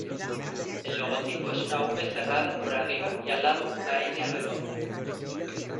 El logotipo es una V cerrada por arriba y al lado una N redonda.